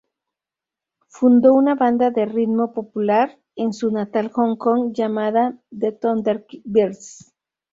Fundó una banda de ritmo popular en su natal Hong Kong llamada The Thunderbirds.